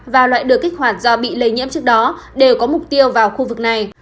và loại được kích hoạt do bị lây nhiễm trước đó đều có mục tiêu vào khu vực này